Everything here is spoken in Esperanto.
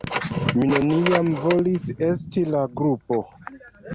Mi neniam volis "esti" la grupo.